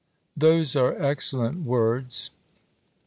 'Those are excellent words.'